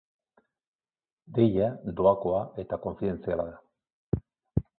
Deia doakoa eta konfidentziala da.